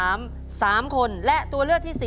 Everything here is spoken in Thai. ตัวเลือกที่สาม๓คนและตัวเลือกที่สี่๔คน